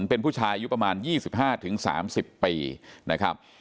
เป็นผู้ชายอายุประมาณ๒๕๓๐ปีนะครับ